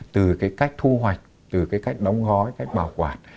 từ cái cách thu hoạch từ cái cách đóng gói cách bảo quản